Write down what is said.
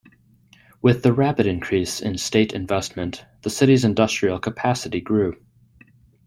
With the rapid increase in state investment, the city's industrial capacity grew.